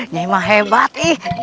nyai mah hebat ih